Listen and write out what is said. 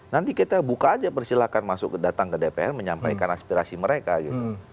nanti kita buka aja persilahkan masuk datang ke dpr menyampaikan aspirasi mereka gitu